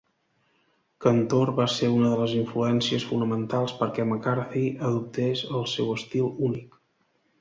Kantor va ser una de les influències fonamentals perquè McCarthy adoptés el seu estil únic.